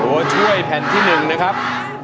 ตัวช่วยแผ่นที่๑นะครับ